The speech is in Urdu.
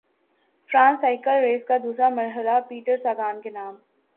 فرانسسائیکل ریس کا دوسرا مرحلہ پیٹرساگان کے نام